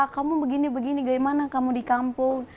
kamu begini begini bagaimana kamu di kampung